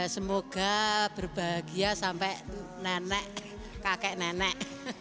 semoga berbahagia sampai nenek kakek nenek